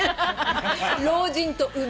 老人と海。